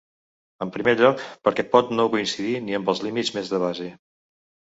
En primer lloc, perquè pot no coincidir ni amb els límits més de base.